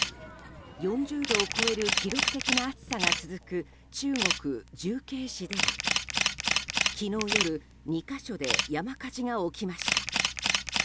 ４０度を超える記録的な暑さが続く中国・重慶市では昨日夜、２か所で山火事が起きました。